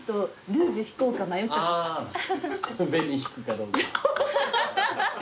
紅引くかどうか。